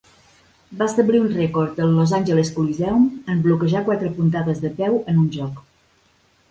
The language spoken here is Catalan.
Va establir un rècord al Los Angeles Coliseum en bloquejar quatre puntades de peu en un joc.